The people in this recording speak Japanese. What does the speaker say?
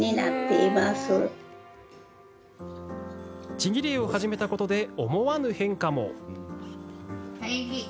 ちぎり絵を始めたことで思わぬ変化も。